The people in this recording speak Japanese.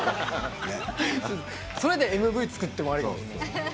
それでＭＶ作ってもありかも。